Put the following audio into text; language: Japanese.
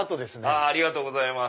ありがとうございます。